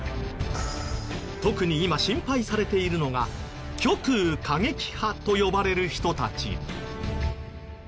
特に今心配されているのが「極右過激派」と呼ばれる人たち。